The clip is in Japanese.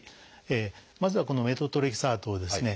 まずはこのメトトレキサートをですね